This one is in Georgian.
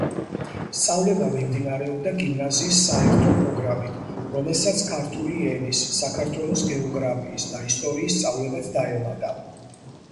სწავლება მიმდინარეობდა გიმნაზიის საერთო პროგრამით, რომელსაც ქართული ენის, საქართველოს გეოგრაფიისა და ისტორიის სწავლებაც დაემატა.